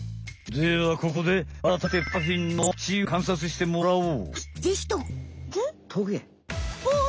ではここであらためてパフィンの口をかんさつしてもらおう。